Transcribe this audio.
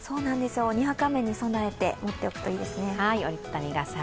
にわか雨に備えて持っておくといいですね。